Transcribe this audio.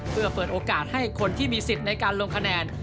เพื่อเปิดโอกาสให้คนที่มีสิทธิ์ในการลงคะแนน